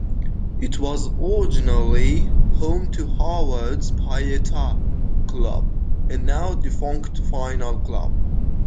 It was originally home to Harvard's Pi Eta Club, a now defunct final club.